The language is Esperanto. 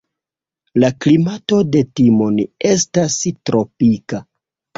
La klimato de Timon estas tropika.